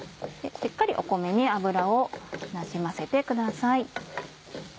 しっかり米に油をなじませてください。